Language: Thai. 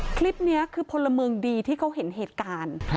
คลิปนี้คือพลเมืองดีที่เขาเห็นเหตุการณ์